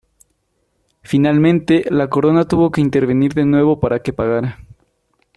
Finalmente, la Corona tuvo que intervenir de nuevo para que pagara.